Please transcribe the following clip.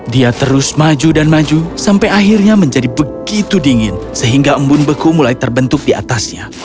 dia terus maju dan maju sampai akhirnya menjadi begitu dingin sehingga embun beku mulai terbentuk di atasnya